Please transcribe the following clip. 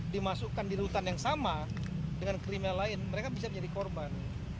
dimasukkan di rutan yang sama dengan kriminal lain mereka bisa menjadi korban